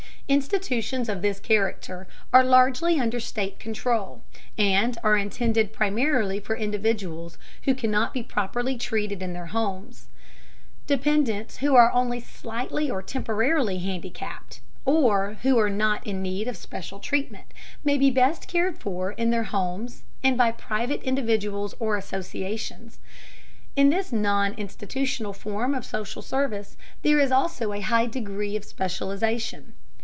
Institutions of this character are largely under state control, and are intended primarily for individuals who cannot be properly treated in their homes. Dependents who are only slightly or temporarily handicapped, or who are not in need of special treatment, may be best cared for in their homes and by private individuals or associations. In this non institutional form of social service there is also a high degree of specialization.